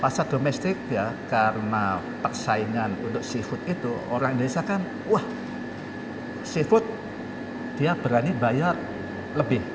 pasar domestik ya karena persaingan untuk seafood itu orang indonesia kan wah seafood dia berani bayar lebih